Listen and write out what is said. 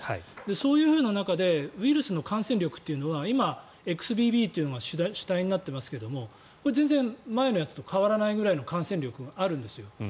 そういうふうな中でウイルスの感染力というのは今、Ｘ．ＢＢというのが主体になっていますがこれ全然前のやつと変わらないぐらいの感染力があるんですよ。